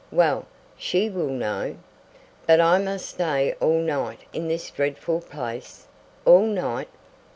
Well, she will know. But I must stay all night in this dreadful place all night?"